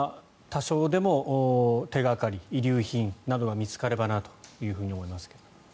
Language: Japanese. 多少でも手掛かり、遺留品などが見つかればなと思いますけど。